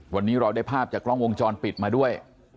วันนี้เราได้ภาพจากกล้องวงจรปิดมาด้วย